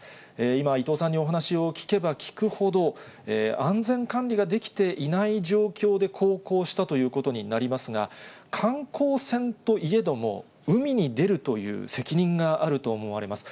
今、伊藤さんにお話を聞けば聞くほど、安全管理ができていない状況で、航行したということになりますが、観光船といえども、海に出るという責任があると思われます。